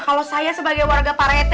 kalau saya sebagai warga pak rt